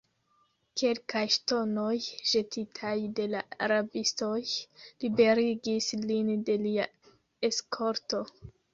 Kelkaj ŝtonoj, ĵetitaj de la rabistoj, liberigis lin de lia eskorto.